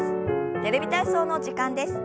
「テレビ体操」の時間です。